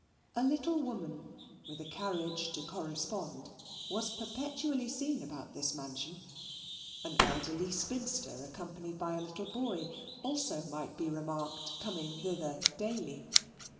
A little woman, with a carriage to correspond, was perpetually seen about this mansion; an elderly spinster, accompanied by a little boy, also might be remarked coming thither daily.